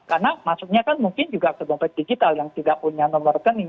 karena masuknya kan mungkin juga ke dompet digital yang tidak punya nomor rekening